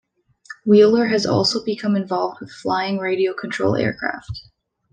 Wheeler has also become involved with flying radio control aircraft.